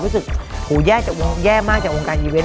รู้สึกหูแย่มากจากวงการอีเวนต